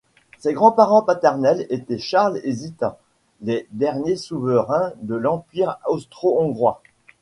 Ses grands-parents paternels étaient Charles et Zita, les derniers souverains de l'Empire austro-hongrois.